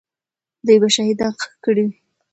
دوی به شهیدان ښخ کړي وي.